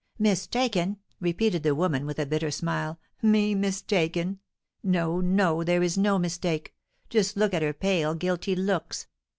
"Mistaken!" repeated the woman, with a bitter smile. "Me mistaken! No, no, there is no mistake! Just look at her pale, guilty looks!